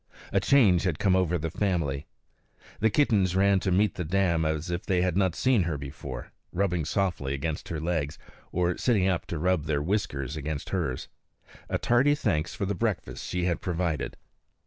A change had come over the family. The kittens ran to meet the dam as if they had not seen her before, rubbing softly against her legs, or sitting up to rub their whiskers against hers a tardy thanks for the breakfast she had provided.